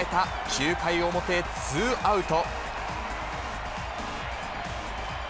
９回表ツーアウト。